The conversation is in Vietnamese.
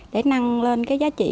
để nâng lên giá trị